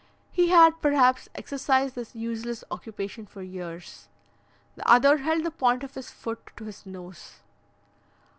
He had, perhaps, exercised this useless occupation for years. The other held the point of his foot to his nose.